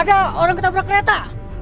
ada orang ketabrak kereta